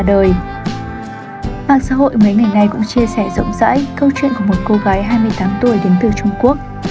mạng xã hội mấy ngày nay cũng chia sẻ rộng rãi câu chuyện của một cô gái hai mươi tám tuổi đến từ trung quốc